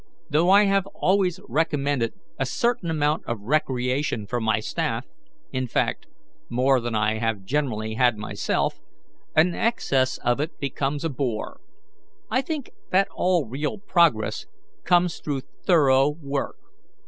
Though I have always recommended a certain amount of recreation for my staff in fact, more than I have generally had myself an excess of it becomes a bore. I think that all real progress comes through thorough work.